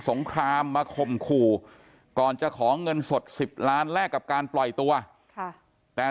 งครามมาข่มขู่ก่อนจะขอเงินสด๑๐ล้านแลกกับการปล่อยตัวค่ะแต่